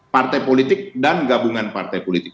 partai politik dan gabungan partai politik